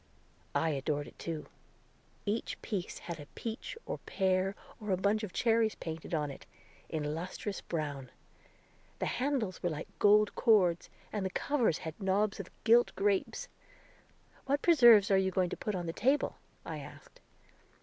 I adored it, too. Each piece had a peach, or pear, or a bunch of cherries painted on it, in lustrous brown. The handles were like gold cords, and the covers had knobs of gilt grapes. "What preserves are you going to put on the table?" I asked.